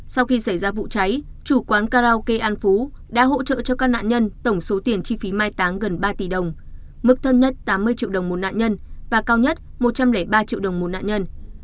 sau khi xảy ra vụ cháy chủ quán karaoke an phú đã hỗ trợ cho các nạn nhân tổng số tiền chi phí mai táng gần ba tỷ đồng mức thấp nhất tám mươi triệu đồng một nạn nhân và cao nhất một trăm linh ba triệu đồng một nạn nhân